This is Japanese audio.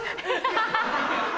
ハハハ！